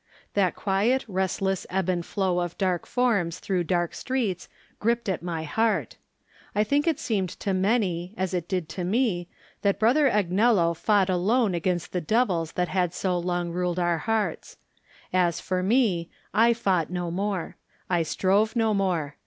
That quiet, restless ebb and flow of dark forms through dark streets gripped at my heart. I think it seemed to many, as it did to me, that Brother Agnelfo fought alone against the devils that had so long ruled our hearts. As for me, I fought no more; I strove no more.